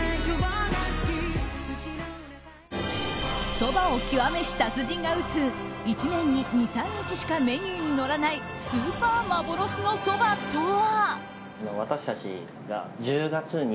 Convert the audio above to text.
そばを極めし達人が打つ１年に２３日しかメニューに載らないスーパー幻のそばとは。